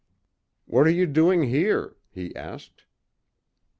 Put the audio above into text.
"What are you doing here?" he asked.